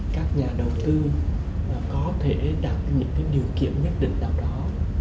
các nhà đầu tư có thể đạt được những điều kiện nhất định nào đó